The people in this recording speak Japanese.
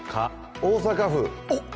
大阪府。